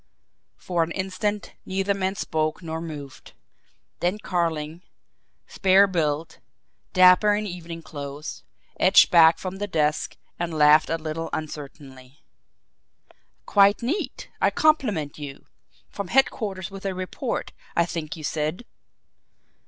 For an instant neither man spoke nor moved; then Carling, spare built, dapper in evening clothes, edged back from the desk and laughed a little uncertainly. "Quite neat! I compliment you! From headquarters with a report, I think you said?"